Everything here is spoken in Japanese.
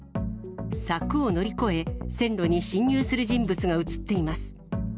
柵を乗り越え、線路に侵入する人物が写っています。